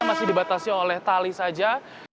masih dibatasi oleh tali saja